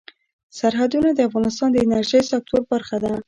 سرحدونه د افغانستان د انرژۍ سکتور برخه ده.